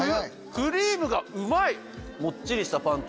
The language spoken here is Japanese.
クリームがうまい！